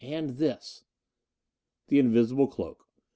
And this " The invisible cloak.